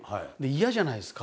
嫌じゃないですか。